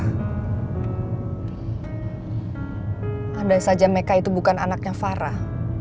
saat saja meka bukan anaknya farah